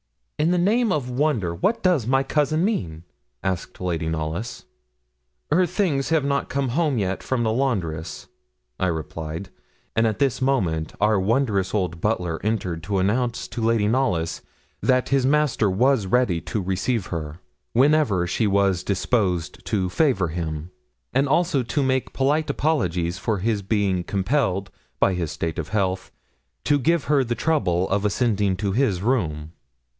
'In the name of wonder, what does my cousin mean?' asked Lady Knollys. 'Her things have not come home yet from the laundress,' I replied; and at this moment our wondrous old butler entered to announce to Lady Knollys that his master was ready to receive her, whenever she was disposed to favour him; and also to make polite apologies for his being compelled, by his state of health, to give her the trouble of ascending to his room.